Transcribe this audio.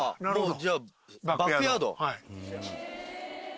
じゃあバックヤード？